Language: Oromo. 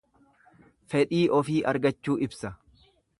Fedhii ofii argachuu ibsa.